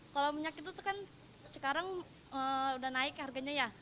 kalau minyak itu kan sekarang udah naik harganya ya